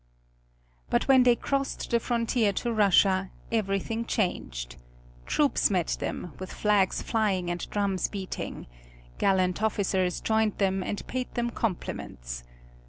But when they crossed the frontier to Russia everything changed. Troops met them, with flags flying and drums beating. Gallant officers joined them and paid them compliments.